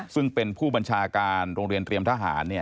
ซึ่งเป็นผู้บัญชาการโรงเรียนเตรียมทหาร